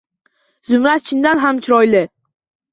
Zumrad chindan ham chiroyli